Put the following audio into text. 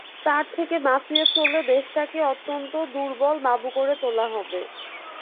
তার থেকে বাঁচিয়ে চললে দেশটাকে অত্যন্ত দুর্বল, বাবু করে তোলা হবে।